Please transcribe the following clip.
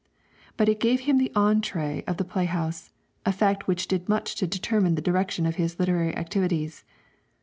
But it gave him the entrée of the playhouse, a fact which did much to determine the direction of his literary activities.